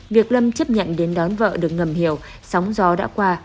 việc lâm chấp nhận đến đón vợ được ngầm hiểu sóng gió đã qua